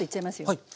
はい。